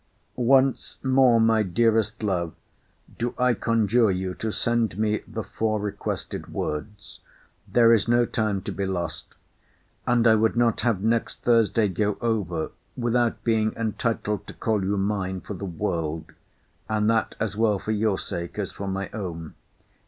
Once more, my dearest love, do I conjure you to send me the four requested words. There is no time to be lost. And I would not have next Thursday go over, without being entitled to call you mine, for the world; and that as well for your sake as for my own.